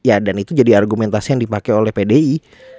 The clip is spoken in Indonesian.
ya dan itu jadi argumentasi yang dipakai oleh pdi